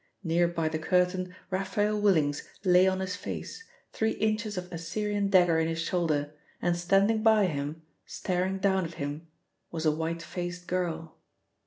Near by the curtain Raphael Willings lay on his face, three inches of Assyrian dagger in his shoulder, and standing by him, staring down at him, was a white faced girl.